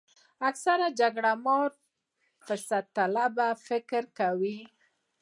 اکثره جګړه مار فرصت طلبان فکر کوي.